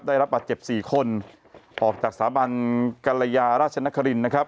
ได้รับบาดเจ็บ๔คนออกจากสาบันกรยาราชนครินนะครับ